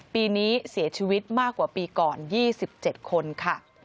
ปีนี้เสียชีวิตมากกว่าปีก่อน๒๗คนค่ะ